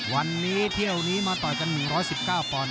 วันนี้เที่ยวนี้มาต่อยกัน๑๑๙ปอนด